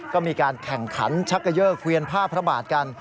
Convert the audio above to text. ก็มีการแข่งขันชักเกยอร์เกวียนผ้าพระบาทกัน